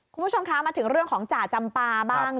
คุณผู้ชมคะมาถึงเรื่องของจ่าจำปาบ้าง